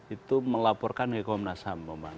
itu melaporkan ke komnas ham